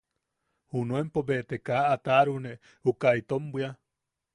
Junuenpo bee te kaa a taʼarune uka itom bwia.